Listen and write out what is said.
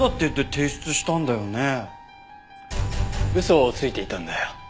嘘をついていたんだよ。